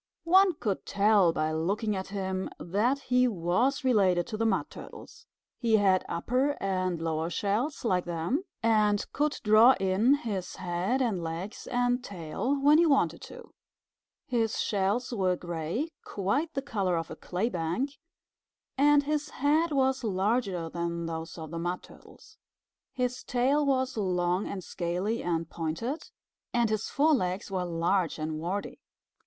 One could tell by looking at him that he was related to the Mud Turtles. He had upper and lower shells like them, and could draw in his head and legs and tail when he wanted to. His shells were gray, quite the color of a clay bank, and his head was larger than those of the Mud Turtles. His tail was long and scaly and pointed, and his forelegs were large and warty.